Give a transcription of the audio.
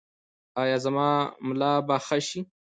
ایا زما ملا به ښه شي؟